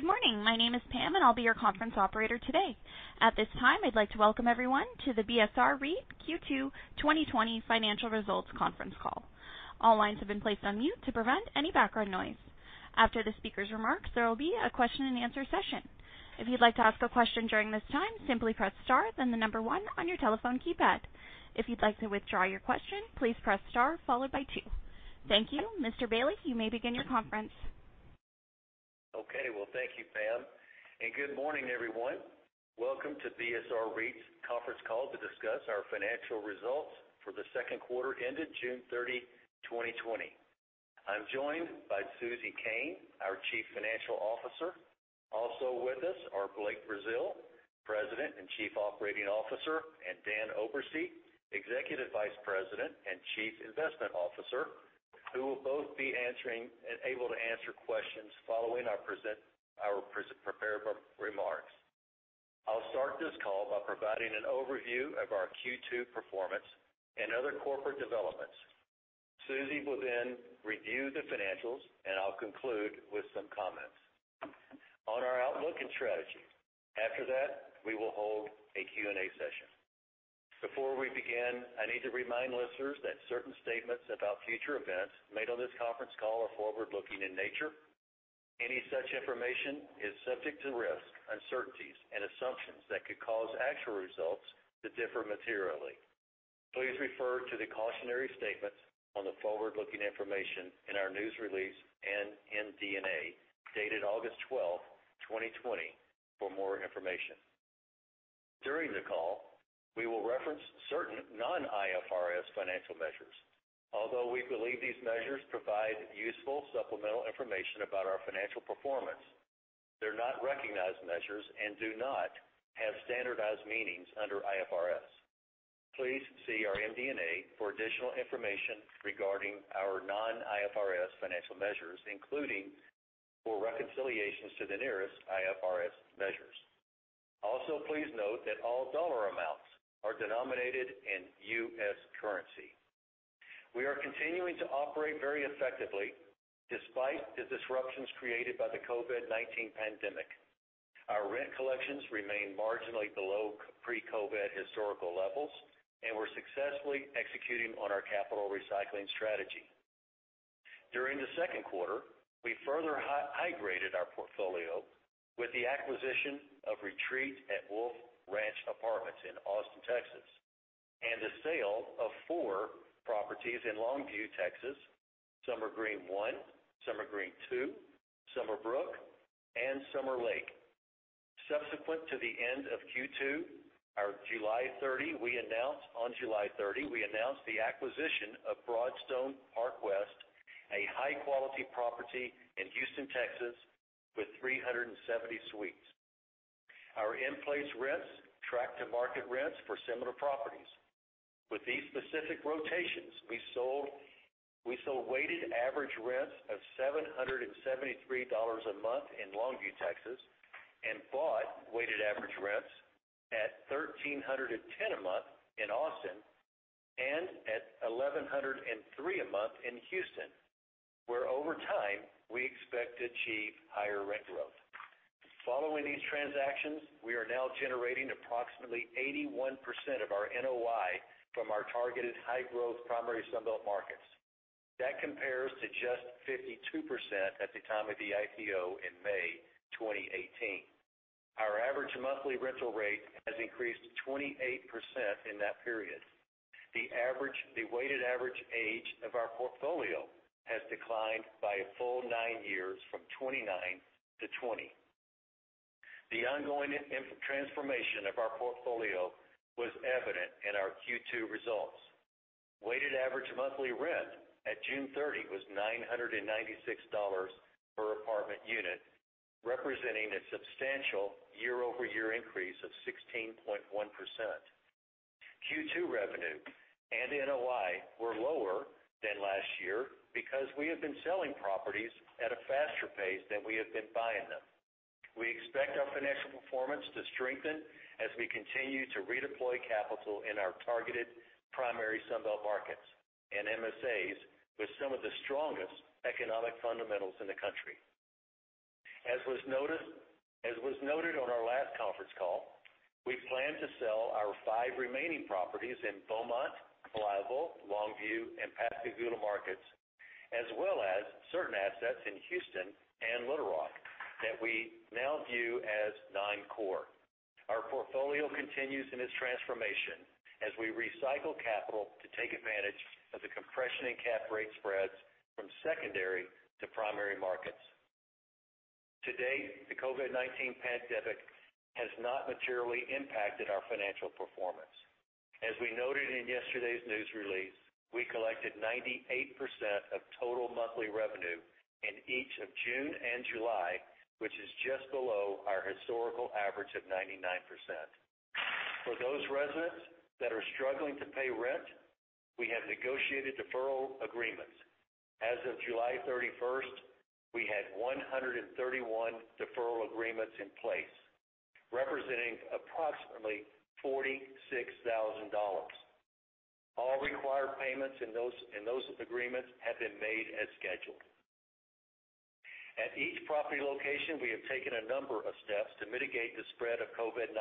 Good morning. My name is Pam, and I'll be your conference operator today. At this time, I'd like to welcome everyone to the BSR REIT Q2 2020 financial results conference call. All lines have been placed on mute to prevent any background noise. After the speaker's remarks, there will be a question and answer session. If you'd like to ask a question during this time, simply press star, then the number one on your telephone keypad. If you'd like to withdraw your question, please press star followed by two. Thank you. Mr. Bailey, you may begin your conference. Okay. Well, thank you, Pam, and good morning, everyone. Welcome to BSR REIT's conference call to discuss our financial results for the second quarter ended June 30, 2020. I'm joined by Susie Koehn, our Chief Financial Officer. Also with us are Blake Brazeal, President and Chief Operating Officer, and Dan Oberste, Executive Vice President and Chief Investment Officer, who will both be able to answer questions following our prepared remarks. I'll start this call by providing an overview of our Q2 performance and other corporate developments. Susie will then review the financials, and I'll conclude with some comments on our outlook and strategy. After that, we will hold a Q&A session. Before we begin, I need to remind listeners that certain statements about future events made on this conference call are forward-looking in nature. Any such information is subject to risks, uncertainties, and assumptions that could cause actual results to differ materially. Please refer to the cautionary statements on the forward-looking information in our news release and MD&A, dated August 12, 2020, for more information. During the call, we will reference certain non-IFRS financial measures. Although we believe these measures provide useful supplemental information about our financial performance, they're not recognized measures and do not have standardized meanings under IFRS. Please see our MD&A for additional information regarding our non-IFRS financial measures, including full reconciliations to the nearest IFRS measures. Also, please note that all dollar amounts are denominated in U.S. currency. We are continuing to operate very effectively despite the disruptions created by the COVID-19 pandemic. Our rent collections remain marginally below pre-COVID historical levels, and we're successfully executing on our capital recycling strategy. During the second quarter, we further high-graded our portfolio with the acquisition of Retreat at Wolf Ranch Apartments in Austin, Texas, and the sale of four properties in Longview, Texas, Summer Green I, Summer Green II, Summer Brook, and Summer Lake. Subsequent to the end of Q2, on July 30, we announced the acquisition of Broadstone Park West, a high-quality property in Houston, Texas, with 370 suites. Our in-place rents track to market rents for similar properties. With these specific rotations, we sold weighted average rents of $773 a month in Longview, Texas, and bought weighted average rents at $1,310 a month in Austin and at $1,103 a month in Houston, where over time we expect to achieve higher rent growth. Following these transactions, we are now generating approximately 81% of our NOI from our targeted high-growth primary Sunbelt markets. That compares to just 52% at the time of the IPO in May 2018. Our average monthly rental rate has increased 28% in that period. The weighted average age of our portfolio has declined by a full nine years, from 29-20. The ongoing transformation of our portfolio was evident in our Q2 results. Weighted average monthly rent at June 30 was $996 per apartment unit, representing a substantial year-over-year increase of 16.1%. Q2 revenue and NOI were lower than last year because we have been selling properties at a faster pace than we have been buying them. We expect our financial performance to strengthen as we continue to redeploy capital in our targeted primary Sun Belt markets and MSAs with some of the strongest economic fundamentals in the country. As was noted on our last conference call, we plan to sell our five remaining properties in Beaumont, Louisville, Longview, and Pascagoula markets, as well as certain assets in Houston and Little Rock that we now view as non-core. Our portfolio continues in its transformation as we recycle capital to take advantage of the compression in cap rate spreads from secondary to primary markets. To date, the COVID-19 pandemic has not materially impacted our financial performance. As we noted in yesterday's news release, we collected 98% of total monthly revenue in each of June and July, which is just below our historical average of 99%. For those residents that are struggling to pay rent, we have negotiated deferral agreements. As of July 31st, we had 131 deferral agreements in place, representing approximately $46,000. All required payments in those agreements have been made as scheduled. At each property location, we have taken a number of steps to mitigate the spread of COVID-19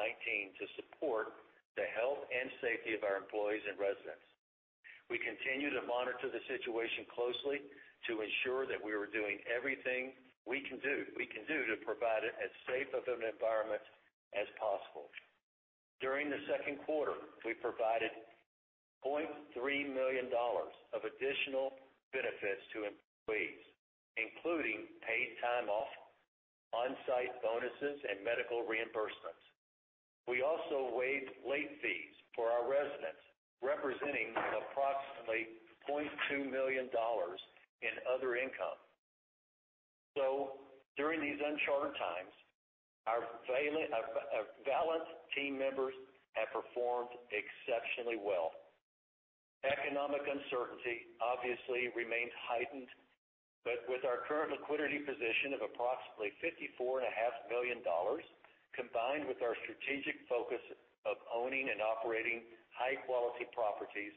to support the health and safety of our employees and residents. We continue to monitor the situation closely to ensure that we are doing everything we can do to provide as safe of an environment as possible. During the second quarter, we provided $0.3 million of additional benefits to employees, including paid time off, on-site bonuses, and medical reimbursements. We also waived late fees for our residents, representing approximately $0.2 million in other income. During these uncharted times, our valiant team members have performed exceptionally well. Economic uncertainty obviously remains heightened, with our current liquidity position of approximately $54.5 million, combined with our strategic focus of owning and operating high-quality properties,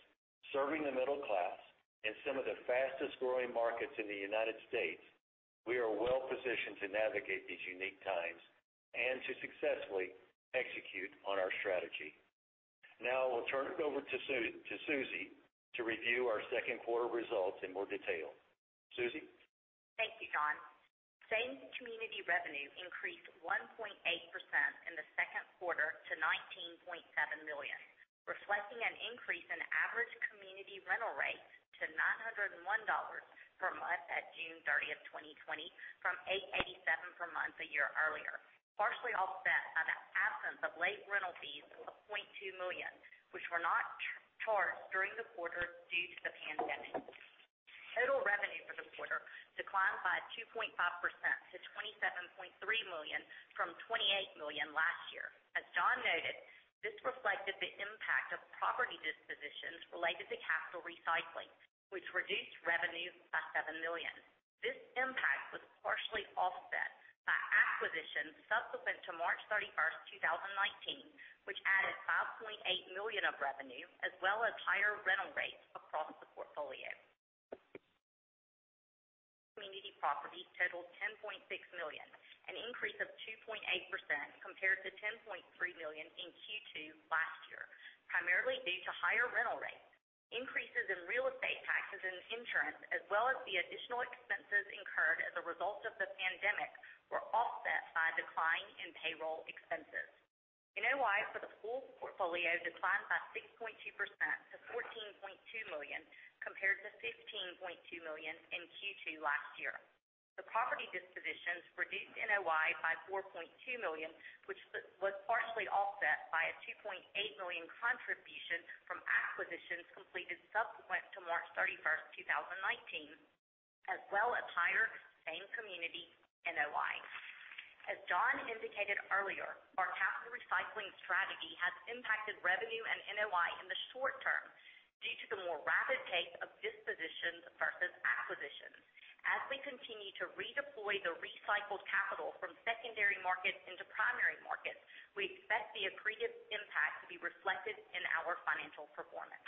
serving the middle class in some of the fastest-growing markets in the United States, we are well positioned to navigate these unique times and to successfully execute on our strategy. I'll turn it over to Susie to review our second quarter results in more detail. Susie? Thank you, John. Same-community revenue increased 1.8% in Q2 to $19.7 million, reflecting an increase in average community rental rates to $901 per month at June 30th, 2020 from $887 per month a year earlier, partially offset by the absence of late rental fees of $0.2 million, which were not charged during the quarter due to the pandemic. Total revenue for the quarter declined by 2.5% to $27.3 million from $28 million last year. As John noted, this reflected the impact of property dispositions related to capital recycling, which reduced revenue by $7 million. This impact was partially offset by acquisitions subsequent to March 31st, 2019, which added $5.8 million of revenue as well as higher rental rates across the portfolio. Community properties totaled $10.6 million, an increase of 2.8% compared to $10.3 million in Q2 last year, primarily due to higher rental rates. Increases in real estate taxes and insurance, as well as the additional expenses incurred as a result of the pandemic, were offset by a decline in payroll expenses. NOI for the full portfolio declined by 6.2% to $14.2 million compared to $15.2 million in Q2 last year. The property dispositions reduced NOI by $4.2 million, which was partially offset by a $2.8 million contribution from acquisitions completed subsequent to March 31st, 2019, as well as higher same community NOI. As John indicated earlier, our capital recycling strategy has impacted revenue and NOI in the short term due to the more rapid pace of dispositions versus acquisitions. As we continue to redeploy the recycled capital from secondary markets into primary markets, we expect the accretive impact to be reflected in our financial performance.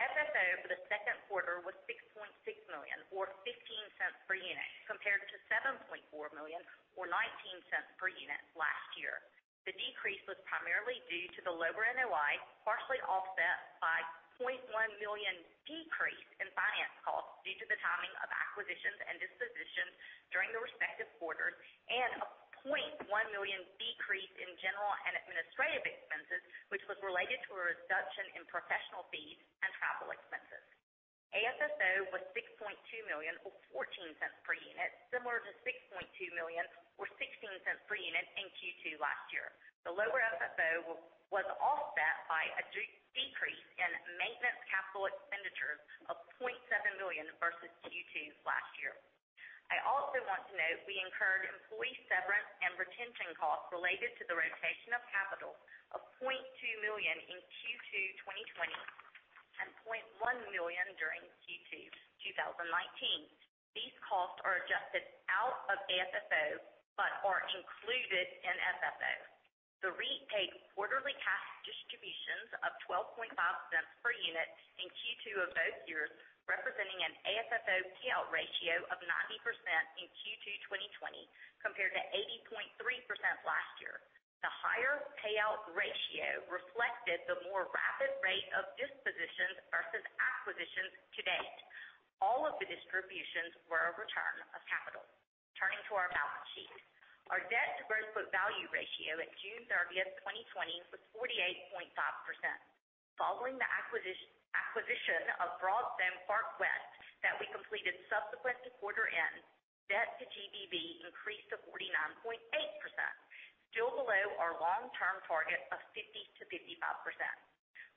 FFO for the second quarter was $6.6 million, or $0.15 per unit, compared to $7.4 million or $0.19 per unit last year. The decrease was primarily due to the lower NOI, partially offset by $0.1 million decrease in finance costs due to the timing of acquisitions and dispositions during the respective quarters and a $0.1 million decrease in general and administrative expenses, which was related to a reduction in professional fees and travel expenses. AFFO was $6.2 million or $0.14 per unit, similar to $6.2 million or $0.16 per unit in Q2 last year. The lower AFFO was offset by a decrease in maintenance capital expenditures of $0.7 million versus Q2 last year. I also want to note we incurred employee severance and retention costs related to the rotation of capital of $0.2 million in Q2 2020 and $0.1 million during Q2 2019. These costs are adjusted out of AFFO but are included in FFO. The REIT paid quarterly cash distributions of $0.125 per unit in Q2 of both years, representing an AFFO payout ratio of 90% in Q2 2020 compared to 80.3% last year. The higher payout ratio reflected the more rapid rate of dispositions versus acquisitions to date. All of the distributions were a return of capital. Turning to our balance sheet. Our debt-to-gross book value ratio at June 30th, 2020 was 48.5%. Following the acquisition of Broadstone Park West that we completed subsequent to quarter end, debt to GBV increased to 49.8%, still below our long-term target of 50%-55%.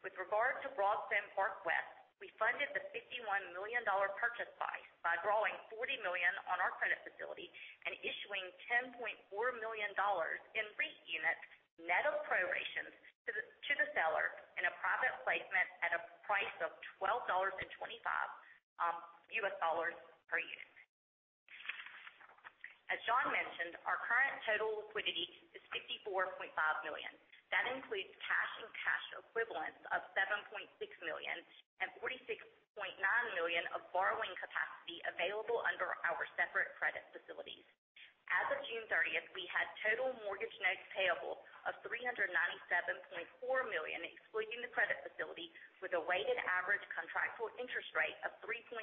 With regard to Broadstone Park West, we funded the $51 million purchase price by drawing $40 million on our credit facility and issuing $10.4 million in REIT units net of prorations to the seller in a private placement at a price of $12.25 US dollars per unit. As John mentioned, our current total liquidity is $54.5 million. That includes cash and cash equivalents of $7.6 million and $46.9 million of borrowing capacity available under our separate credit facilities. As of June 30th, we had total mortgage notes payable of $397.4 million, excluding the credit facility, with a weighted average contractual interest rate of 3.9%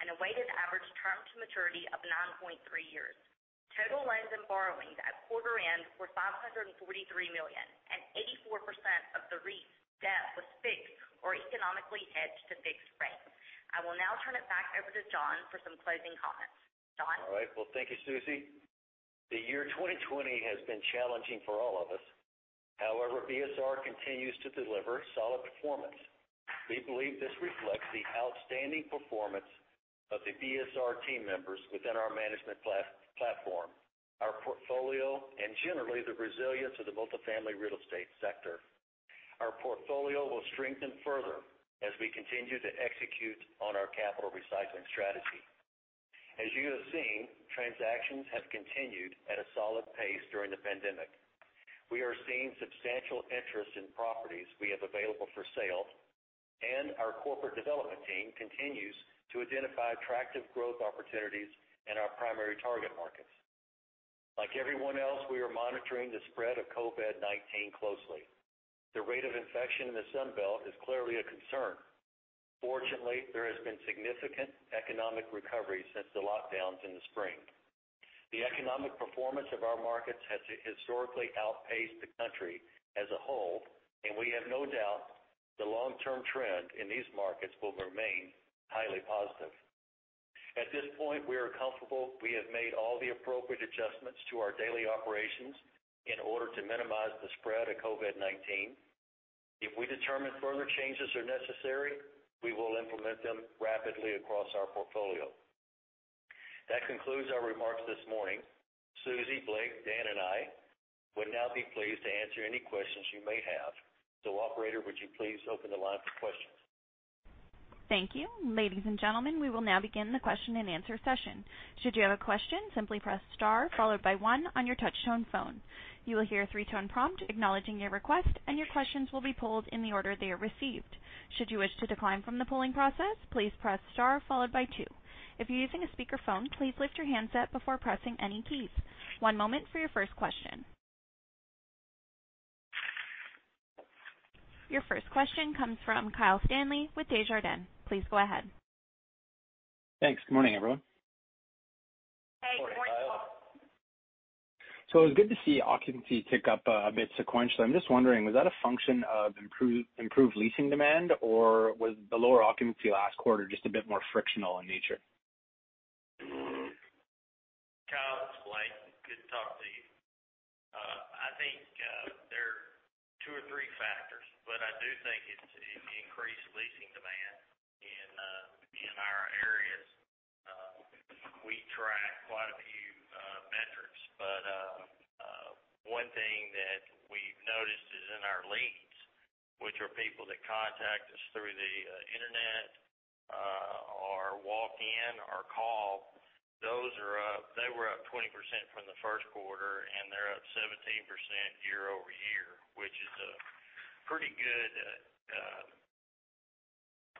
and a weighted average term to maturity of 9.3 years. Total loans and borrowings at quarter end were $543 million. 84% of the REIT's debt was fixed or economically hedged to fixed rate. I will now turn it back over to John for some closing comments. John? All right. Well, thank you, Susie. The year 2020 has been challenging for all of us. BSR continues to deliver solid performance. We believe this reflects the outstanding performance of the BSR team members within our management platform, our portfolio, and generally the resilience of the multifamily real estate sector. Our portfolio will strengthen further as we continue to execute on our capital recycling strategy. As you have seen, transactions have continued at a solid pace during the pandemic. We are seeing substantial interest in properties we have available for sale, and our corporate development team continues to identify attractive growth opportunities in our primary target markets. Like everyone else, we are monitoring the spread of COVID-19 closely. The rate of infection in the Sun Belt is clearly a concern. Fortunately, there has been significant economic recovery since the lockdowns in the spring. The economic performance of our markets has historically outpaced the country as a whole, and we have no doubt the long-term trend in these markets will remain highly positive. At this point, we are comfortable we have made all the appropriate adjustments to our daily operations in order to minimize the spread of COVID-19. If we determine further changes are necessary, we will implement them rapidly across our portfolio. That concludes our remarks this morning. Susie, Blake, Dan, and I would now be pleased to answer any questions you may have. Operator, would you please open the line for questions? Thank you. Ladies and gentlemen, we will now begin the question and answer session. Should you have a question simply press star followed by one on your touch tone phone. You will hear three tone prompt acknowledging your request and your questions will be pulled in the order they are received. Should you wish to decline from the pulling process simply press star followed by two. If you are using a speaker phone please lift your hands up before pressing any keys. One moment for your first question. Your first question comes from Kyle Stanley with Desjardins. Please go ahead. Thanks. Good morning, everyone. Hey. Good morning, Kyle. It was good to see occupancy tick up a bit sequentially. I'm just wondering, was that a function of improved leasing demand, or was the lower occupancy last quarter just a bit more frictional in nature? Kyle, it's Blake. Good to talk to you. I think there are two or three factors, but I do think it's increased leasing demand in our areas. We track quite a few metrics, but one thing that we've noticed is in our leads, which are people that contact us through the internet or walk in or call, those are up. They were up 20% from the first quarter, and they're up 17% year-over-year, which is a pretty good,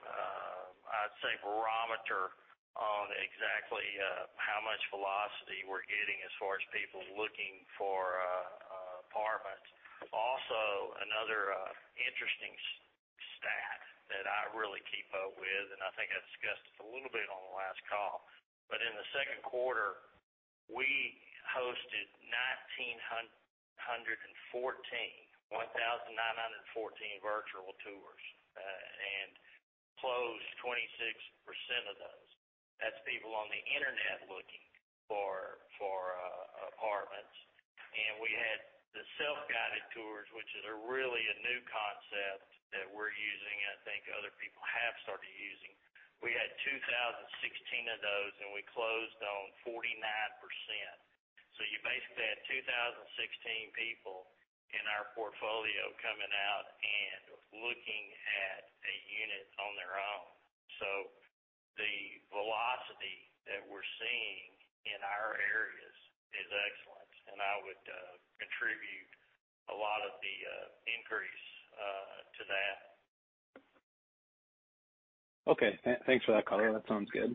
I'd say, barometer on exactly how much velocity we're getting as far as people looking for apartments. Another interesting stat that I really keep up with, and I think I discussed this a little bit on the last call, but in the second quarter, we hosted 1,914 virtual tours and closed 26% of those. That's people on the internet looking for apartments. We had the self-guided tours, which is really a new concept that we're using, and I think other people have started using. We had 2,016 of those, and we closed on 49%. You basically had 2,016 people in our portfolio coming out and looking at a unit on their own. The velocity that we're seeing in our areas is excellent, and I would attribute a lot of the increase to that. Okay. Thanks for that color. That sounds good.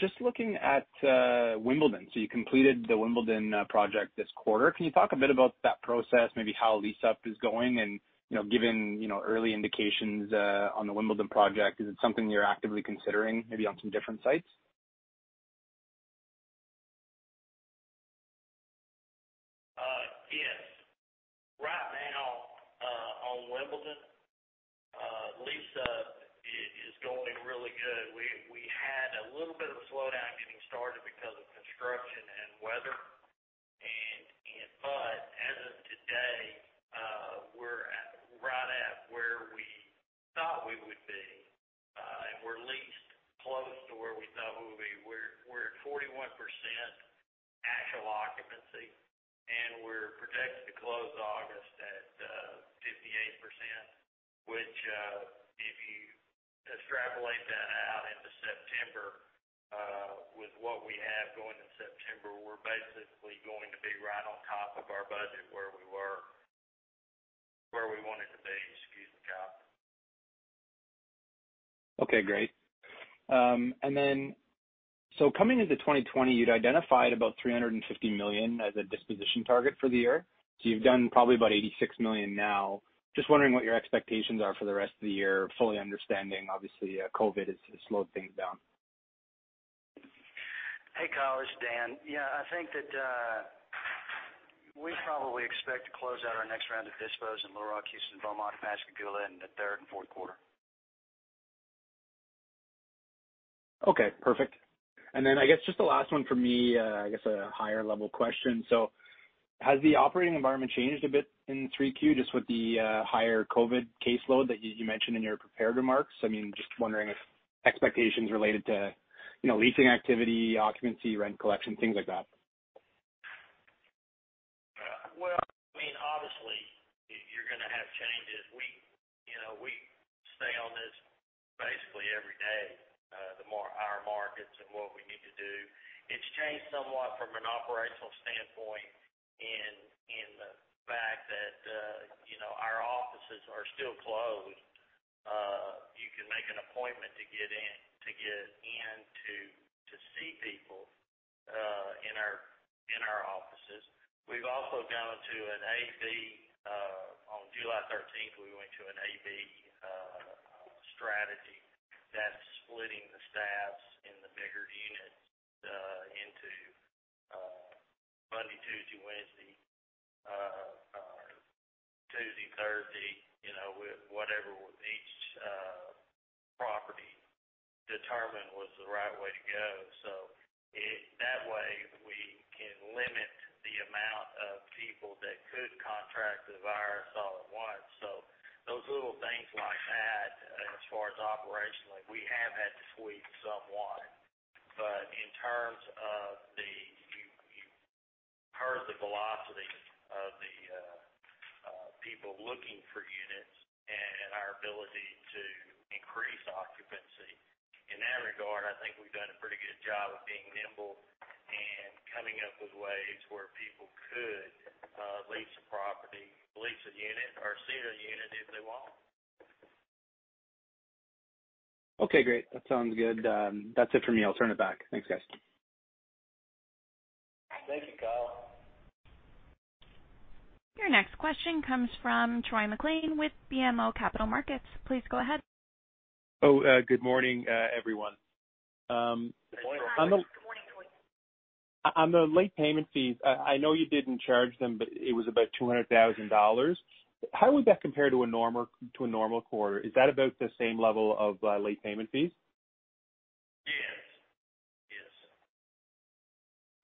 Just looking at Wimbledon. You completed the Wimbledon project this quarter. Can you talk a bit about that process, maybe how lease-up is going and given early indications on the Wimbledon project, is it something you're actively considering maybe on some different sites? Yes. Right now, on Wimbledon, lease-up is going really good. We had a little bit of a slowdown getting started because of construction and weather. As of today, we're right at where we thought we would be, and we're leased close to where we thought we would be. We're at 41% occupancy, and we're projected to close August at 58%, which, if you extrapolate that out into September, with what we have going in September, we're basically going to be right on top of our budget where we wanted to be. Excuse me, Kyle. Okay, great. Coming into 2020, you'd identified about $350 million as a disposition target for the year. You've done probably about $86 million now. Just wondering what your expectations are for the rest of the year, fully understanding, obviously, COVID has slowed things down. Hey, Kyle, this is Dan. Yeah, I think that we probably expect to close out our next round of dispos in Little Rock, Houston, Beaumont, Pascagoula, in the third and fourth quarter. Okay, perfect. I guess just the last one for me, I guess a higher level question. Has the operating environment changed a bit in 3Q, just with the higher COVID caseload that you mentioned in your prepared remarks? Just wondering if expectations related to leasing activity, occupancy, rent collection, things like that? Well, obviously, you're going to have changes. We stay on this basically every day, the more our markets and what we need to do. It's changed somewhat from an operational standpoint in the fact that our offices are still closed. You can make an appointment to get in to see people in our offices. On July 13th, we went to an AB strategy that's splitting the staffs in the bigger units into Monday, Tuesday, Wednesday, or Tuesday, Thursday, with whatever each property determined was the right way to go. That way, we can limit the amount of people that could contract the virus all at once. Those little things like that, as far as operationally, we have had to tweak somewhat. In terms of You've heard the velocity of the people looking for units and our ability to increase occupancy. In that regard, I think we've done a pretty good job of being nimble and coming up with ways where people could lease a property, lease a unit, or see a unit if they want. Okay, great. That sounds good. That's it for me. I'll turn it back. Thanks, guys. Thank you, Kyle. Your next question comes from Troy MacLean with BMO Capital Markets. Please go ahead. Oh, good morning, everyone. Good morning. Good morning, Troy. On the late payment fees, I know you didn't charge them, but it was about $200,000. How would that compare to a normal quarter? Is that about the same level of late payment fees? It is. Yes.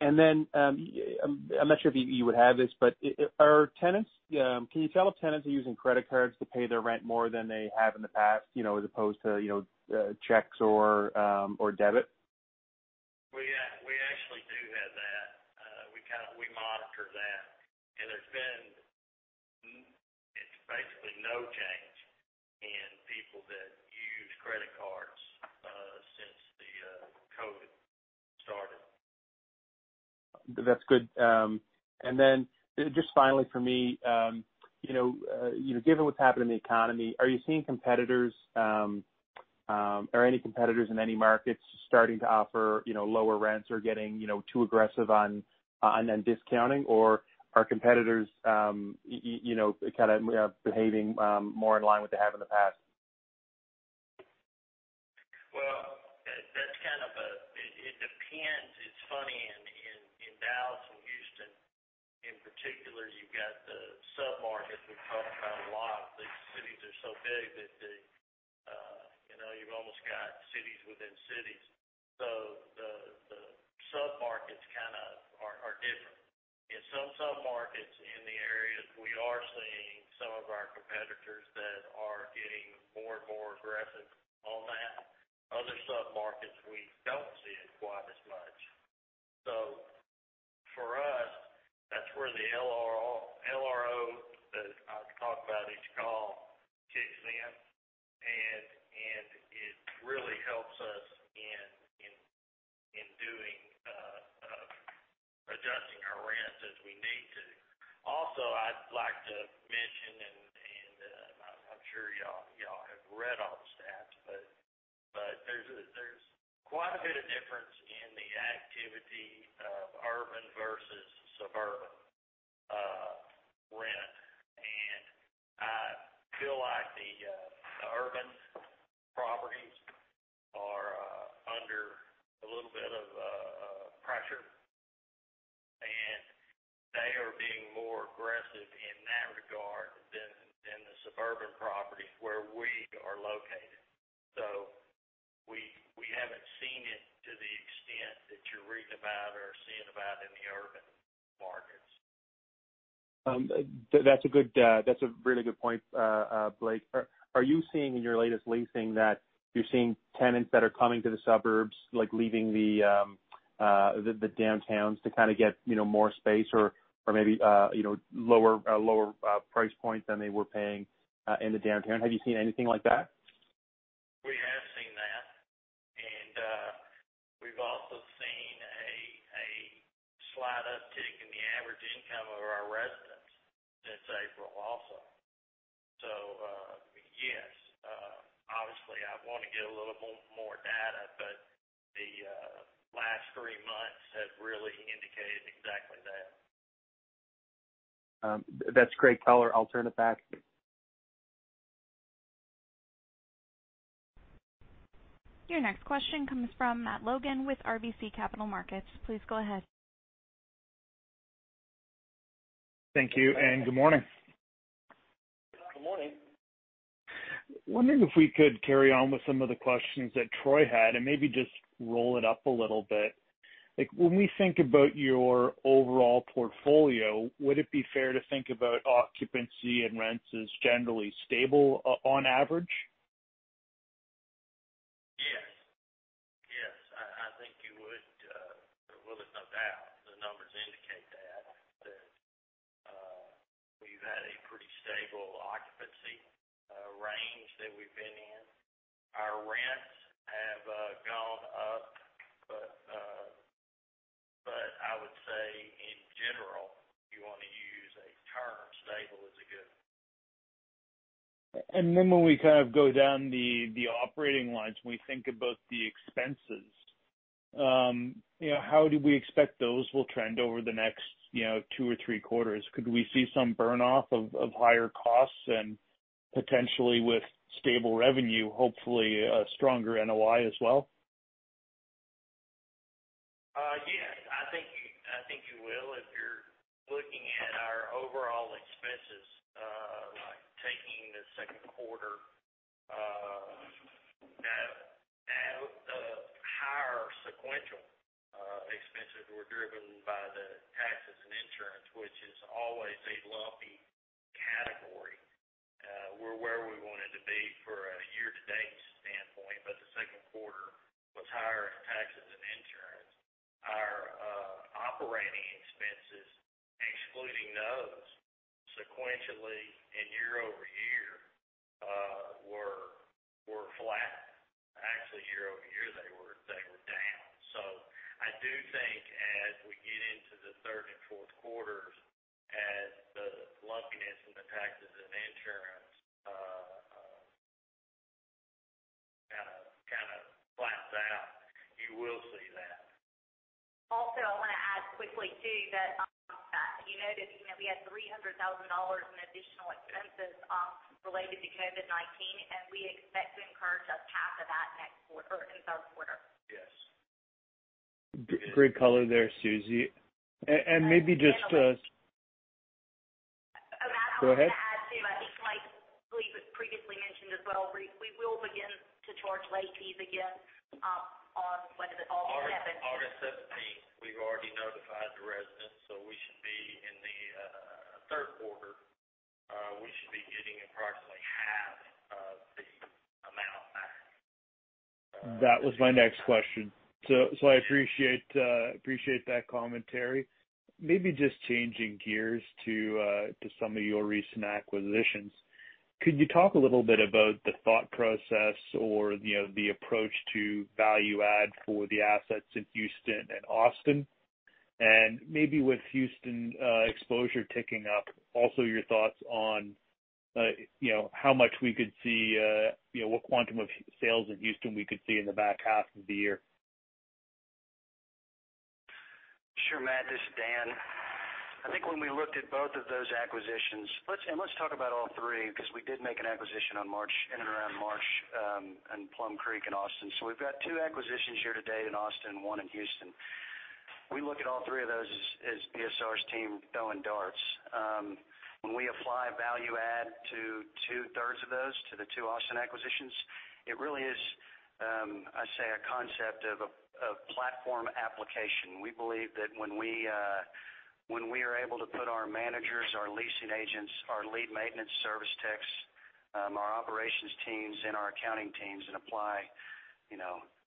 I'm not sure if you would have this, can you tell if tenants are using credit cards to pay their rent more than they have in the past as opposed to checks or debit? We actually do have that. We monitor that, and there's been basically no change in people that use credit cards since the COVID started. That's good. Just finally for me, given what's happened in the economy, are you seeing any competitors in any markets starting to offer lower rents or getting too aggressive on discounting, or are competitors behaving more in line with they have in the past? Well, it depends. It is funny. In Dallas and Houston in particular, you have got the sub-markets we have talked about a lot. These cities are so big that you have almost got cities within cities. The sub-markets kind of are different. In some sub-markets in the areas, we are seeing some of our competitors that are getting more and more aggressive on that. Other sub-markets, we do not see it quite as much. For us, that is where the LROs that I talk about each call kicks in, and it really helps us in adjusting our rents as we need to. Also, I would like to mention, and I am sure you all have read all the stats, but there is quite a bit of difference in the activity of urban versus suburban rent. I feel like the urban properties are under a little bit of pressure, and they are being more aggressive in that regard than the suburban properties where we are located. We haven't seen it to the extent that you're reading about or seeing about in the urban markets. That's a really good point, Blake. Are you seeing in your latest leasing that you're seeing tenants that are coming to the suburbs, leaving the downtowns to get more space or maybe a lower price point than they were paying in the downtown? Have you seen anything like that? We have seen that, and we've also seen a slight uptick in the average income of our residents since April also. Yes. Obviously, I want to get a little more data, but the last three months have really indicated exactly that. That's great color. I'll turn it back. Your next question comes from Matt Logan with RBC Capital Markets. Please go ahead. Thank you, and good morning. Good morning. Wondering if we could carry on with some of the questions that Troy had and maybe just roll it up a little bit. When we think about your overall portfolio, would it be fair to think about occupancy and rents as generally stable on average? Yes. I think you would. Well, there's no doubt. The numbers indicate that. That we've had a pretty stable occupancy range that we've been in. Our rents have gone up, but I would say in general, if you want to use a term, stable is a good one. When we go down the operating lines, when we think about the expenses, how do we expect those will trend over the next two or three quarters? Could we see some burn-off of higher costs and potentially with stable revenue, hopefully a stronger NOI as well? Yes, I think you will. If you're looking at our overall expenses, like taking the second quarter, the higher sequential expenses were driven by the taxes and insurance, which is always a lumpy category. We're where we wanted to be for a year-to-date standpoint, but the second quarter was higher in taxes and insurance. Our operating expenses, excluding those, sequentially and year-over-year, were flat. Actually, year-over-year, they were down. I do think as we get into the third and fourth quarters, as the lumpiness in the taxes and insurance kind of flats out, you will see that. I want to add quickly too that you noticed that we had $300,000 in additional expenses related to COVID-19, and we expect to incur just half of that in third quarter. Yes. Great color there, Susie. Matt, I want to add too, I think Blake previously mentioned as well, we will begin to charge late fees again on, what is it, August 7th? August 17th. We've already notified the residents. We should be in the third quarter. We should be getting approximately half of the amount back. That was my next question. I appreciate that commentary. Maybe just changing gears to some of your recent acquisitions. Could you talk a little bit about the thought process or the approach to value add for the assets in Houston and Austin? Maybe with Houston exposure ticking up, also your thoughts on how much we could see, what quantum of sales in Houston we could see in the back half of the year. Sure, Matt, this is Dan. I think when we looked at both of those acquisitions, and let's talk about all three, because we did make an acquisition in and around March in Plum Creek and Austin. We've got two acquisitions year-to-date in Austin, one in Houston. We look at all three of those as BSR's team throwing darts. When we apply value add to two-thirds of those, to the two Austin acquisitions, it really is, I'd say, a concept of platform application. We believe that when we are able to put our managers, our leasing agents, our lead maintenance service techs, our operations teams, and our accounting teams, and apply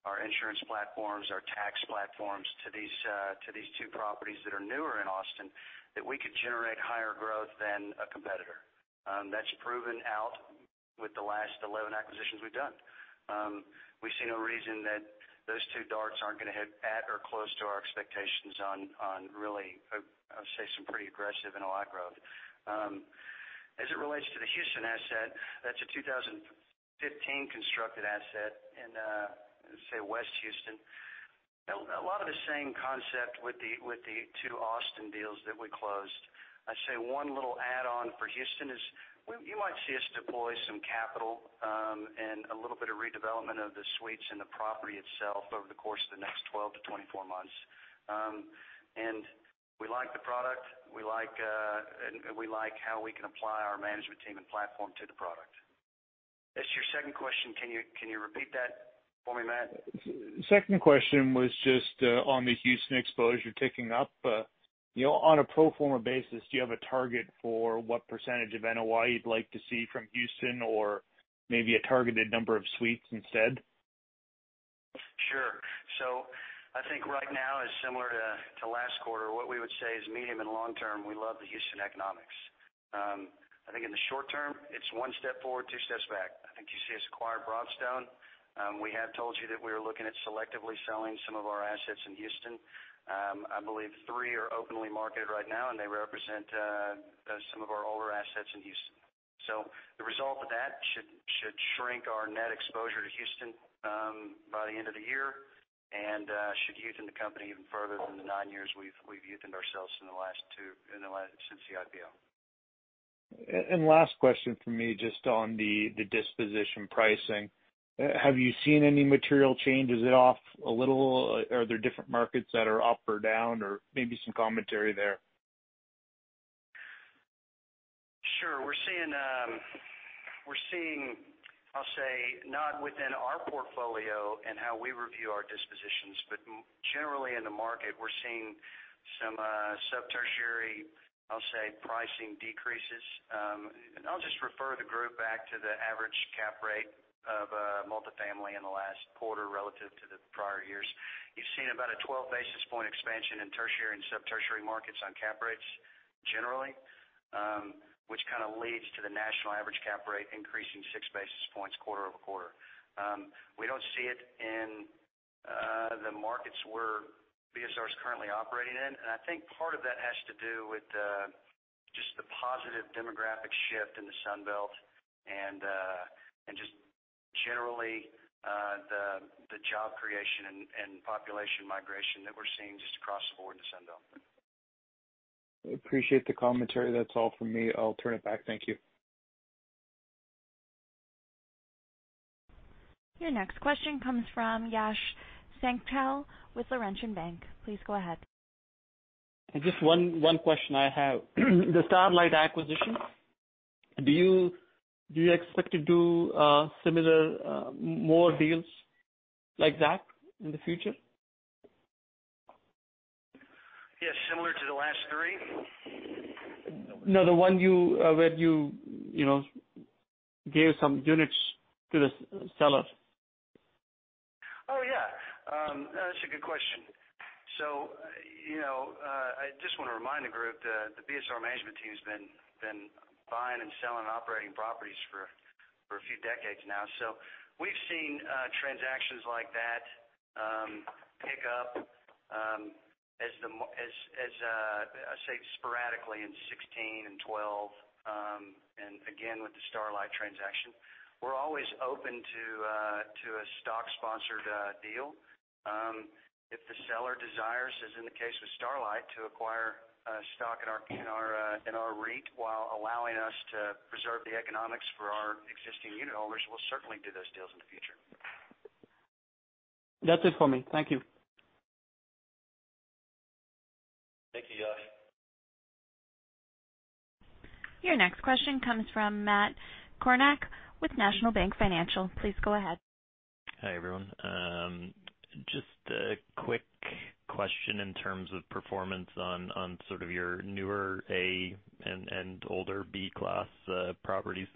our insurance platforms, our tax platforms to these two properties that are newer in Austin, that we could generate higher growth than a competitor. That's proven out with the last 11 acquisitions we've done. We see no reason that those two darts aren't going to hit at or close to our expectations on really, I would say, some pretty aggressive NOI growth. As it relates to the Houston asset, that's a 2015 constructed asset in, let's say, West Houston. A lot of the same concept with the two Austin deals that we closed. I'd say one little add-on for Houston is you might see us deploy some capital and a little bit of redevelopment of the suites and the property itself over the course of the next 12-24 months. We like the product. We like how we can apply our management team and platform to the product. As to your second question, can you repeat that for me, Matt? Second question was just on the Houston exposure ticking up. On a pro forma basis, do you have a target for what percentage of NOI you'd like to see from Houston or maybe a targeted number of suites instead? Sure. I think right now is similar to last quarter. What we would say is medium and long term, we love the Houston economics. I think in the short term, it's one step forward, two steps back. I think you see us acquire Broadstone. We have told you that we are looking at selectively selling some of our assets in Houston. I believe three are openly marketed right now, and they represent some of our older assets in Houston. The result of that should shrink our net exposure to Houston by the end of the year and should youth-en the company even further than the nine years we've youth-ened ourselves since the IPO. Last question from me, just on the disposition pricing. Have you seen any material change? Is it off a little? Are there different markets that are up or down or maybe some commentary there? Sure. We're seeing, I'll say, not within our portfolio and how we review our dispositions, but generally in the market, we're seeing some sub-tertiary, I'll say, pricing decreases. I'll just refer the group back to the average cap rate of multifamily in the last quarter relative to the prior years. You've seen about a 12 basis point expansion in tertiary and sub-tertiary markets on cap rates generally, which kind of leads to the national average cap rate increasing six basis points quarter-over-quarter. We don't see it in the markets where BSR is currently operating in. I think part of that has to do with just the positive demographic shift in the Sun Belt and just generally the job creation and population migration that we're seeing just across the board in the Sun Belt. Appreciate the commentary. That's all from me. I'll turn it back. Thank you. Your next question comes from Yash Sankpal with Laurentian Bank. Please go ahead. Just one question I have. The Starlight acquisition, do you expect to do similar, more deals like that in the future? Yes, similar to the last three? No, the one where you gave some units to the seller. Yeah. That's a good question. I just want to remind the group that the BSR management team has been buying and selling and operating properties for a few decades now. We've seen transactions like that pick up sporadically in 2016 and 2012, and again with the Starlight transaction. We're always open to a stock-sponsored deal. If the seller desires, as in the case with Starlight, to acquire a stock in our REIT while allowing us to preserve the economics for our existing unit holders, we'll certainly do those deals in the future. That's it for me. Thank you. Thank you, Yash. Your next question comes from Matt Kornack with National Bank Financial. Please go ahead. Hi, everyone. Just a quick question in terms of performance on sort of your newer A and older B class properties.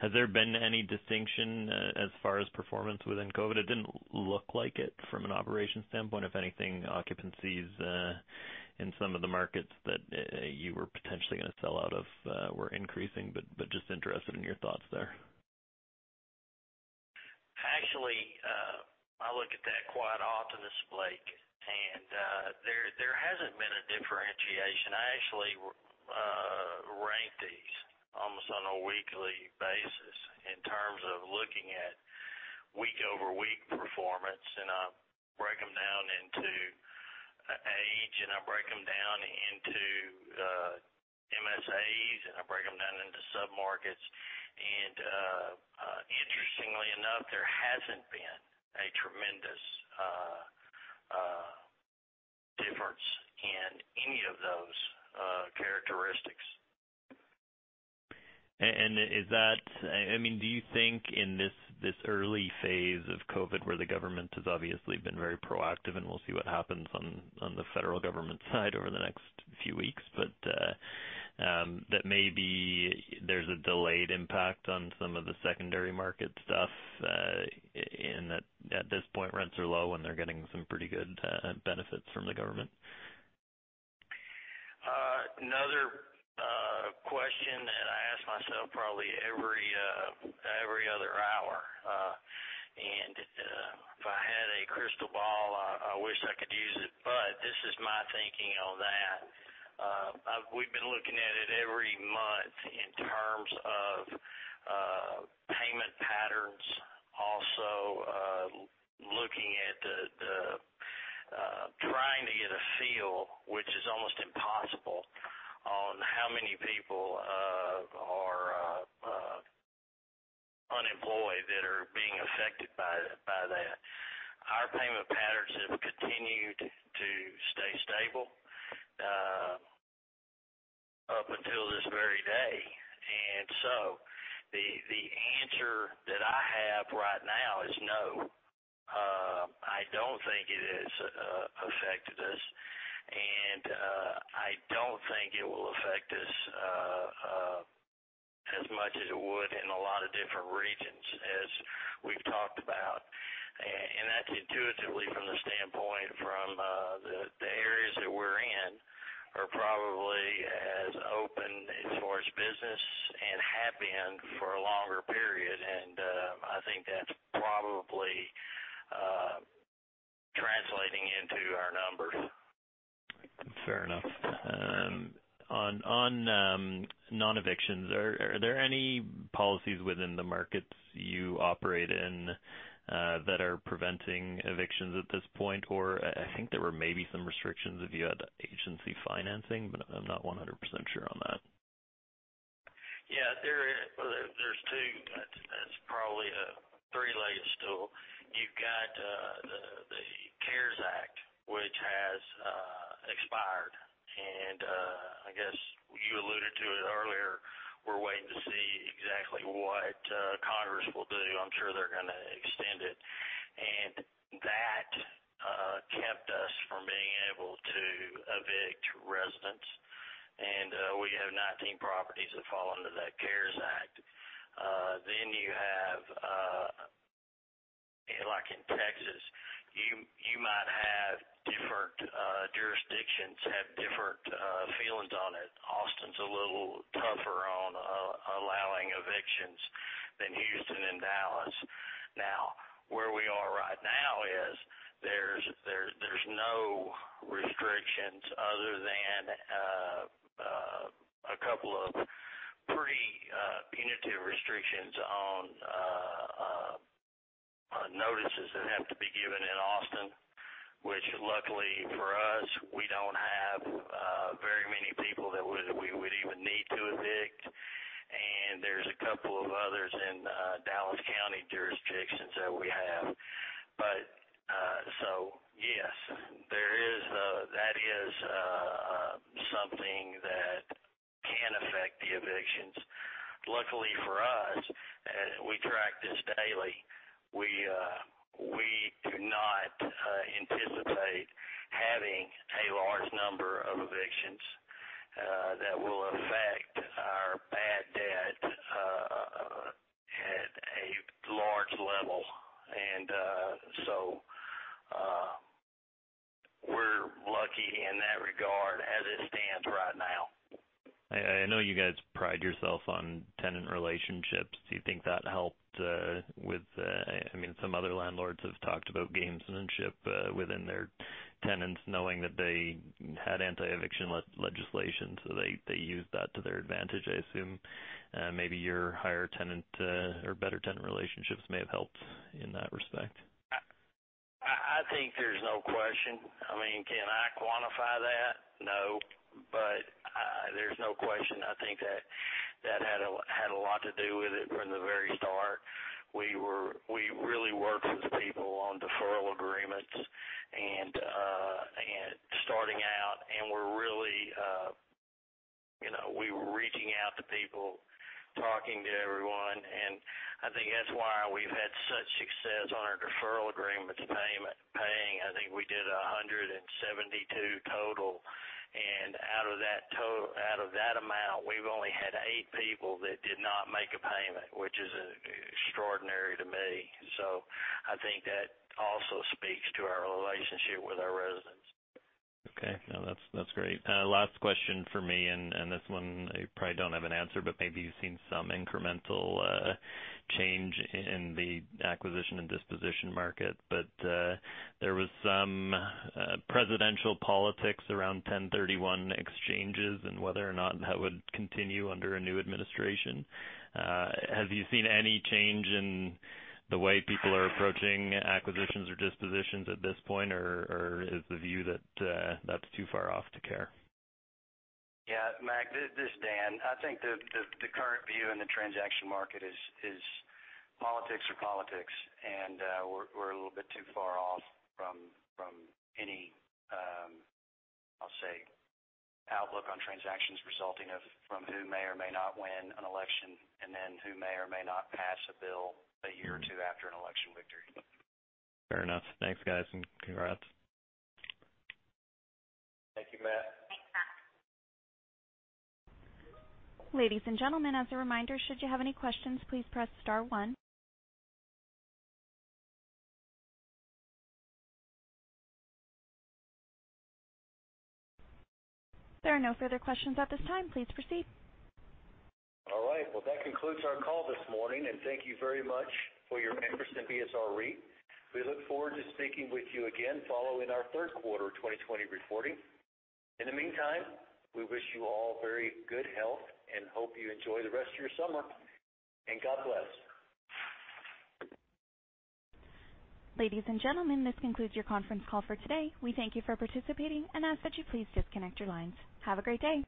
Has there been any distinction as far as performance within COVID? It didn't look like it from an operations standpoint. If anything, occupancies in some of the markets that you were potentially going to sell out of were increasing. Just interested in your thoughts there. Actually, I look at that quite often, this Blake. There hasn't been a differentiation. I actually rank these almost on a weekly basis in terms of looking at week-over-week performance, and I break them down into age, and I break them down into MSAs, and I break them down into sub-markets. Interestingly enough, there hasn't been a tremendous difference in any of those characteristics. Do you think in this early phase of COVID, where the government has obviously been very proactive, and we'll see what happens on the federal government side over the next few weeks, but that maybe there's a delayed impact on some of the secondary market stuff in that at this point, rents are low, and they're getting some pretty good benefits from the government? Another question that I ask myself probably every other hour, and if I had a crystal ball, I wish I could use it, but this is my thinking on that. We've been looking at it every month in terms of payment patterns, also looking at trying to get a feel, which is almost impossible, on how many people are unemployed that are being affected by that. Up until this very day. The answer that I have right now is no, I don't think it has affected us, and I don't think it will affect us as much as it would in a lot of different regions as we've talked about. That's intuitively from the standpoint from the areas that we're in are probably as open as far as business, and have been for a longer period. I think that's probably translating into our numbers. Fair enough. On non-evictions, are there any policies within the markets you operate in that are preventing evictions at this point? I think there were maybe some restrictions if you had agency financing, but I'm not 100% sure on that. Yeah. There's two. That's probably a three-legged stool. You've got the CARES Act, which has expired. I guess you alluded to it earlier, we're waiting to see exactly what Congress will do. I'm sure they're going to extend it. That kept us from being able to evict residents. We have 19 properties that fall under that CARES Act. You have, like in Texas, you might have different jurisdictions have different feelings on it. Austin's a little tougher on allowing evictions than Houston and Dallas. Now, where we are right now is there's no restrictions other than a couple of pretty punitive restrictions on notices that have to be given in Austin, which luckily for us, we don't have very many people that we would even need to evict. There's a couple of others in Dallas County jurisdictions that we have. Yes, that is something that can affect the evictions. Luckily for us, we track this daily. We do not anticipate having a large number of evictions that will affect our bad debt at a large level. We're lucky in that regard as it stands right now. I know you guys pride yourself on tenant relationships. Do you think that helped? Some other landlords have talked about gamesmanship within their tenants knowing that they had anti-eviction legislation, so they used that to their advantage, I assume. Maybe your better tenant relationships may have helped in that respect. I think there's no question. Can I quantify that? No. There's no question, I think that had a lot to do with it from the very start. We really worked with people on deferral agreements starting out, and we were reaching out to people, talking to everyone, and I think that's why we've had such success on our deferral agreements paying. I think we did 172 total, and out of that amount, we've only had eight people that did not make a payment, which is extraordinary to me. I think that also speaks to our relationship with our residents. Okay. No, that's great. Last question from me, and this one you probably don't have an answer, but maybe you've seen some incremental change in the acquisition and disposition market. There was some presidential politics around 1031 exchange and whether or not that would continue under a new administration. Has you seen any change in the way people are approaching acquisitions or dispositions at this point, or is the view that that's too far off to care? Yeah, Matt, this is Dan. I think the current view in the transaction market is politics are politics, and we're a little bit too far off from any, I'll say, outlook on transactions resulting from who may or may not win an election, and then who may or may not pass a bill a year or two after an election victory. Fair enough. Thanks, guys, and congrats. Thank you, Matt. Thanks, Matt. Ladies and gentlemen, as a reminder, should you have any questions, please press star one. There are no further questions at this time. Please proceed. All right. Well, that concludes our call this morning, and thank you very much for your interest in BSR REIT. We look forward to speaking with you again following our third quarter 2020 reporting. In the meantime, we wish you all very good health and hope you enjoy the rest of your summer. God bless. Ladies and gentlemen, this concludes your conference call for today. We thank you for participating and ask that you please disconnect your lines. Have a great day.